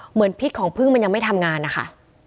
พิษของพึ่งมันยังไม่ทำงานนะคะ